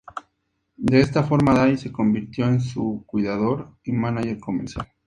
De esta forma, Day se convirtió en su cuidador y "manager" comercial.